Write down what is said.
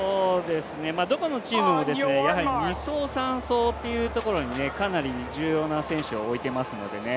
どこのチームもやはり２走、３走というところにかなり重要な選手を置いてますんでね